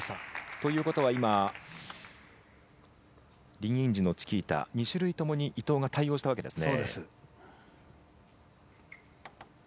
ということは今、リン・インジュのチキータ２種類共に伊藤が対応したわけですね。